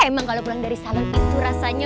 emang kalau pulang dari sana itu rasanya